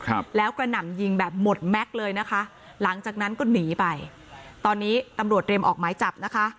ครับแล้วกระหน่ำยิงแบบหมดแม็กซ์เลยนะคะหลังจากนั้นก็หนีไปตอนนี้ตำรวจเรียมออกหมายจับนะคะ